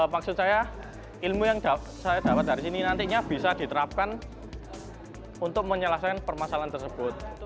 maksud saya ilmu yang saya dapat dari sini nantinya bisa diterapkan untuk menyelesaikan permasalahan tersebut